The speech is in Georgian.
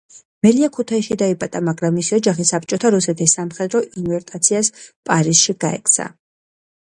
მელია ქუთაისში დაიბადა, მაგრამ მისი ოჯახი საბჭოთა რუსეთის სამხედრო ინტერვენციას პარიზში გაექცა.